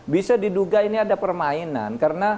bisa diduga ini ada permainan karena